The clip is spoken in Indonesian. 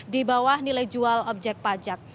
di bawah nilai jual objek pajak